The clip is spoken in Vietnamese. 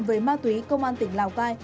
với ma túy công an tỉnh lào cai